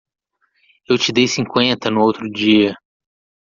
Eu te dei cinquenta no outro dia.